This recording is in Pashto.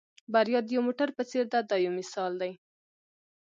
بریا د یو موټر په څېر ده دا یو مثال دی.